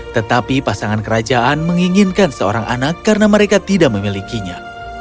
tetapi pasangan kerajaan menginginkan seorang anak karena mereka tidak memilikinya